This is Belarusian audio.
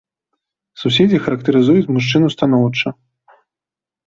Суседзі характарызуюць мужчыну станоўча.